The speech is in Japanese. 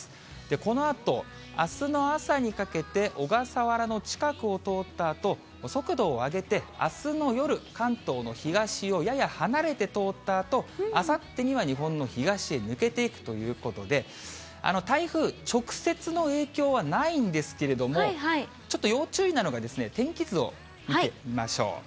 このあと、あすの朝にかけて小笠原の近くを通ったあと、速度を上げて、あすの夜、関東の東をやや離れて通ったあと、あさってには日本の東へ抜けていくということで、台風、直接の影響はないんですけれども、ちょっと要注意なのが、天気図を見てみましょう。